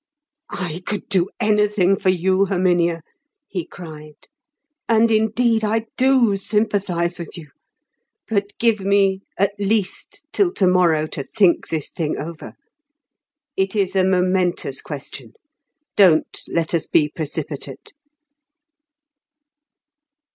"I could do anything for you, Herminia," he cried, "and indeed, I do sympathise with you. But give me, at least, till tomorrow to think this thing over. It is a momentous question; don't let us be precipitate."